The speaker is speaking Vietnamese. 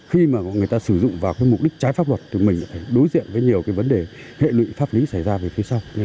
khi mà người ta sử dụng vào mục đích trái pháp luật thì mình lại phải đối diện với nhiều cái vấn đề hệ lụy pháp lý xảy ra về phía sau